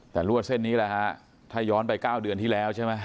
แต่รวดเส้นนี้แหละฮะถ้าย้อนไป๙เดือนที่แล้วใช่ไหม